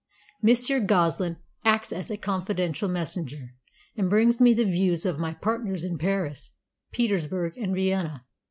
Monsieur Goslin acts as confidential messenger, and brings me the views of my partners in Paris, Petersburg, and Vienna.